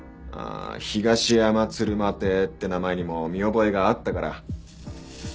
「東山つるま亭」って名前にも見覚えがあったから。